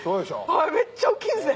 はいめっちゃ大っきいですね。